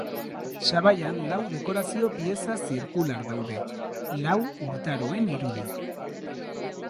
Sabaian lau dekorazio-pieza zirkular daude, lau urtaroen irudi.